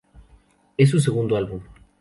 Es su segundo álbum.